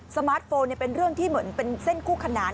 มาร์ทโฟนเป็นเรื่องที่เหมือนเป็นเส้นคู่ขนาน